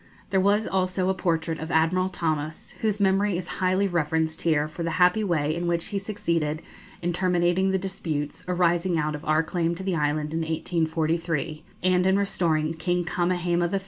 There was also a portrait of Admiral Thomas, whose memory is highly reverenced here for the happy way in which he succeeded in terminating the disputes arising out of our claim to the island in 1843, and in restoring King Kamehameha III.